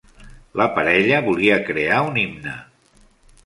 La parella volia crear un himne.